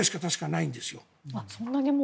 ないんです。